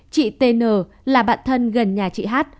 chị tn là bạn thân gần nhà chị hát